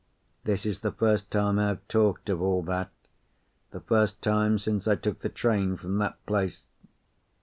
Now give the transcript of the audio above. This is the first time I have talked of all that, the first time since I took the train from that place.